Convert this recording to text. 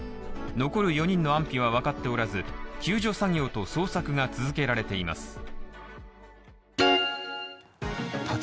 残る４人の安否は分かっておらず、救助作業と捜索が続けられています。